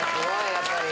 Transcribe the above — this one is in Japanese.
やっぱり。